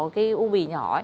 cái u bì nhỏ